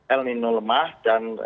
el nino lemah dan